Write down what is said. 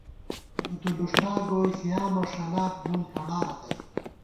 اُودُولُوݭٹا گوئی ݪِیامہ ݭَلاک نُن ہېڑا رتئ